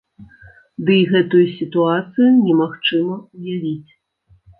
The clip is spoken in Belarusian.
Ды і гэтую сітуацыю немагчыма ўявіць.